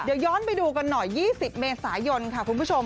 เดี๋ยวย้อนไปดูกันหน่อย๒๐เมษายนค่ะคุณผู้ชม